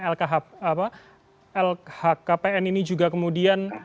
lhkpn ini juga kemudian